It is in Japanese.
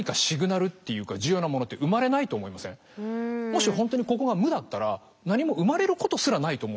もし本当にここが無だったら何も生まれることすらないと思うんですよ。